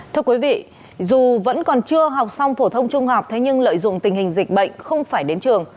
thưa quý vị dù vẫn còn chưa học xong phổ thông trung học thế nhưng lợi dụng tình hình dịch bệnh không phải đến trường